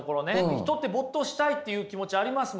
人って没頭したいっていう気持ちありますもんね。